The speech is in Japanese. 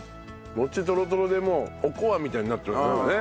餅トロトロでもうおこわみたいになってるからね。